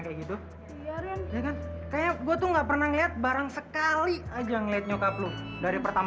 kayak gitu kayak gue tuh nggak pernah ngeliat bareng sekali aja ngeliat nyokap lu dari pertama